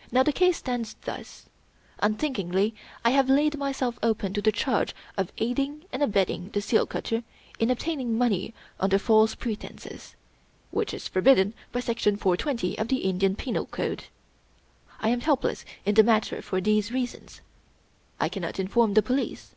•«••• Now the case stands thus. Unthinkingly, I have laid myself open to the charge of aiding and abetting the seal cutter in obtaining money under false pretenses, which is forbidden by Section 420 of the Indian Penal Code. I am helpless in the matter for these reasons, I cannot inform the police.